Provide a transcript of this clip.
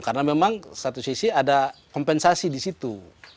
karena memang satu sisi ada kompensasi di situ